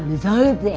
bisa gitu enak